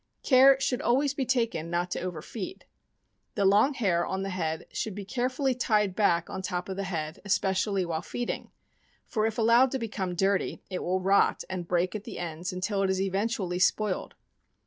Care should always be taken not to overfeed. The long hair on the head should be carefully tied back on top of the head, especially while feeding; for if allowed to become dirty, it will rot and break at the ends until it is eventually spoiled.